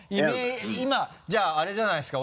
今じゃああれじゃないですか。